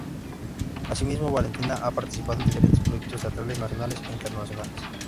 Así mismo Valentina ha participado en diferentes proyectos teatrales nacionales e internacionales.